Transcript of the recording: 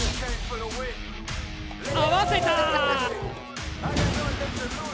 合わせた！